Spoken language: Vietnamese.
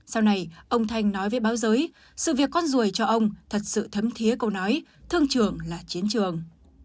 sau này ông thanh nói với báo giới sự việc con ruồi cho ông thật sự thấm thiế câu nói thương trường là chiến trường